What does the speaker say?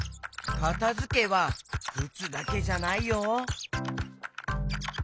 かたづけはくつだけじゃないよ。